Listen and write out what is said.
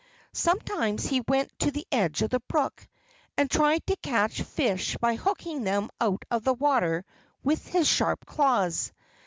Sometimes he went to the edge of the brook and tried to catch fish by hooking them out of the water with his sharp claws.